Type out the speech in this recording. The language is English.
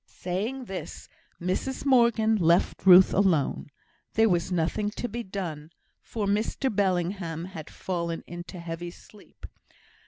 Saying this, Mrs Morgan left Ruth alone. There was nothing to be done, for Mr Bellingham had again fallen into a heavy sleep.